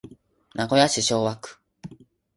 名古屋市昭和区